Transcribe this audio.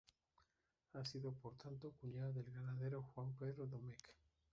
Ha sido, por tanto, cuñado del ganadero Juan Pedro Domecq.